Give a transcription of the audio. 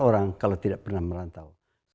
orang kalau tidak pernah merantau